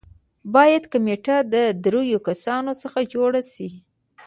باید کمېټه د دریو کسانو څخه جوړه شي.